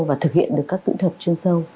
và thực hiện được các kỹ thuật chuyên sâu